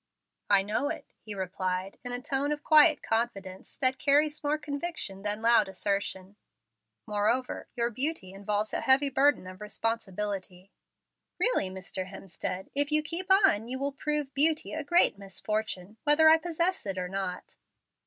"I know it," he replied, in a tone of quiet confidence that carries more conviction than loud assertion. "Moreover, your beauty involves a heavy burden of responsibility." "Really, Mr. Hemstead, if you keep on you will prove beauty a great misfortune, whether I possess it or not."